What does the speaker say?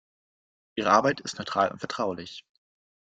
Ihre Arbeit ist neutral und vertraulich.